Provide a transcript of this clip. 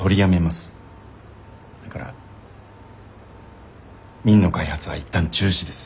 だから「Ｍｉｎ」の開発は一旦中止です。